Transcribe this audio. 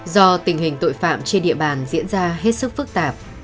do tình hình tội phạm trên địa bàn diễn ra hết sức phức tạp